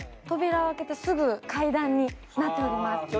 扉を開けてすぐ階段になっております。